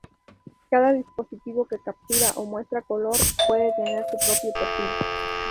Cada dispositivo que captura o muestra color puede tener su propio perfil.